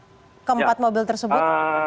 seperti apa pak keempat mobil tersebut